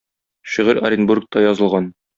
Шигырь Оренбургта язылган.